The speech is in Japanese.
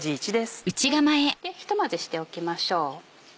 ひと混ぜしておきましょう。